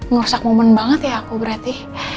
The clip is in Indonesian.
merusak momen banget ya aku berarti